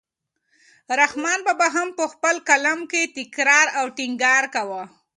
رحمان بابا هم په خپل کلام کې تکرار او ټینګار کاوه.